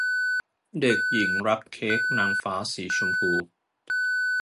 เด็กหญิงรักเค้กนางฟ้าสีชมพู